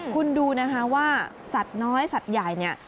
คุณดูนะคะว่าสัตว์น้อยสัตว์ใหญ่เนี่ย